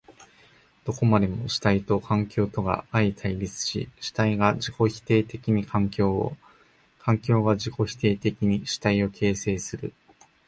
どこまでも主体と環境とが相対立し、主体が自己否定的に環境を、環境が自己否定的に主体を形成する。